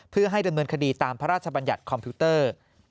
เพื่อให้ดำเนินคดีตามพระราชบัญญัติคอมพิวเตอร์